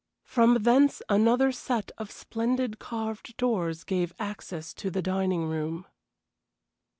From thence another set of splendid carved doors gave access to the dining room.